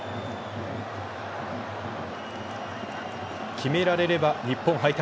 決められれば日本敗退。